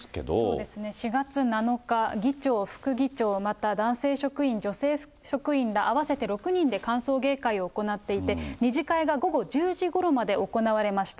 そうですね、４月７日、議長、副議長、また男性職員、女性職員ら合わせて６人で歓送迎会を行っていて、２次会が午後１０時ごろまで行われました。